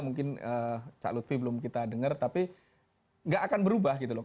mungkin cak lutfi belum kita dengar tapi nggak akan berubah gitu loh